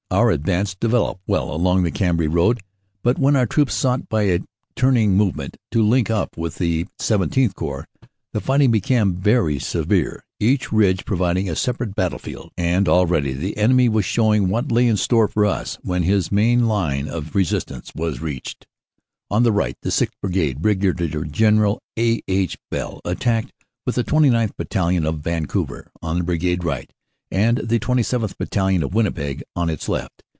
Our advance developed well along the Cambrai road, but when our troops sought by a turning movement to link up with the XVII Corps, the fighting became very severe, each ridge providing a separate battlefield, and already the enemy was showing what lay in store for us when his main line of resist ance was reached. On the right, the 6th. Brigade, Brig. General A. H. Bell, attacked with the 29th. Battalion, of Vancouver, on the Bri gade right, and the 27th. Battalion, of Winnipeg, on its left.